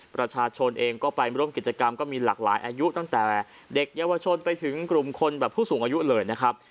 ประชาชนเองก็ไปร่วมกิจกรรมก็มีหลากหลายอายุตั้งแต่เด็กเยาวชนไปถึงกลุ่มคนแบบผู้สูงอายุเลยนะครับ